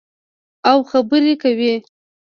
او خبرې کوي.